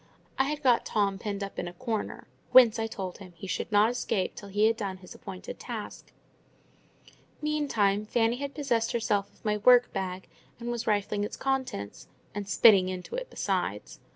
I had got Tom pinned up in a corner, whence, I told him, he should not escape till he had done his appointed task. Meantime, Fanny had possessed herself of my work bag, and was rifling its contents—and spitting into it besides.